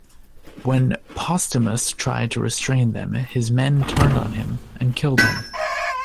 When Postumus tried to restrain them, his men turned on him and killed him.